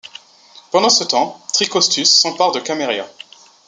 Pendant ce temps, Tricostus s'empare de Cameria.